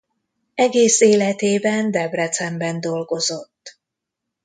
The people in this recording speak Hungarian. Egész életében Debrecenben dolgozott.